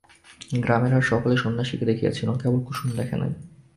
গ্রামের আর সকলেই সন্ন্যাসীকে দেখিয়াছিল, কেবল কুসুম দেখে নাই।